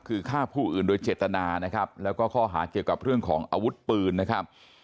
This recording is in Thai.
คือฆ่าผู้อื่นโดยเจตนานะครับแล้วก็ข้อหาเกี่ยวกับเรื่องของอาวุธปืนนะครับ